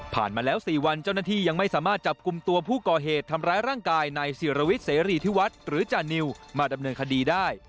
มาแล้ว๔วันเจ้าหน้าที่ยังไม่สามารถจับกลุ่มตัวผู้ก่อเหตุทำร้ายร่างกายนายศิรวิทย์เสรีที่วัดหรือจานิวมาดำเนินคดีได้